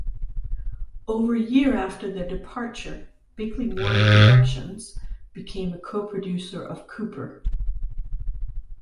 Over a year after their departure, Bickley-Warren Productions became a co-producer of "Cooper".